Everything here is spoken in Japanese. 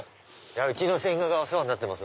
うちの千賀がお世話になってます。